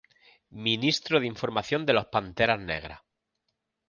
Ministro de Información de los Panteras Negras.